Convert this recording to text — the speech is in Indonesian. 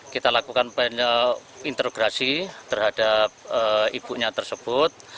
kita lakukan interograsi terhadap ibunya tersebut